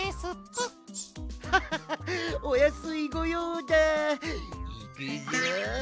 ハハハッおやすいごようだいくぞ。